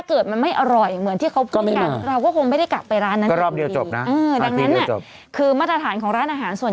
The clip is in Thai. เราจะรู้สึกว่าเราแบบอุ๊ยร้านนี้ต้องอร่อยด้วย